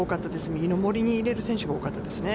右の森に入れる選手が多かったですね。